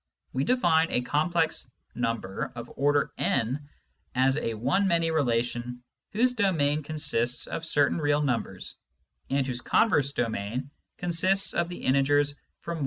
We define a complex number of order n as a one many relation whose domain consists of certain real numbers and whose converse domain consists of the integers from 1 to n.